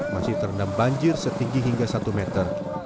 masih terendam banjir setinggi hingga satu meter